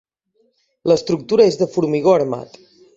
L'estructura és de formigó armat.